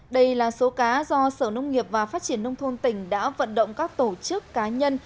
đây là số cá do sở nông nghiệp và phát triển nông thôn tỉnh đã vận động các tổ chức cá nhân